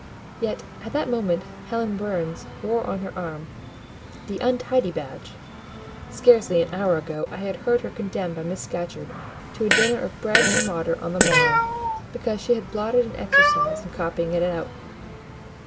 Yet at that moment Helen Burns wore on her arm "the untidy badge;" scarcely an hour ago I had heard her condemned by Miss Scatcherd to a dinner of bread and water on the morrow because she had blotted an exercise in copying it out.